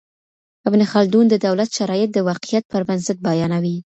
ابن خلدون د دولت شرایط د واقعیت پر بنسټ بیانوي.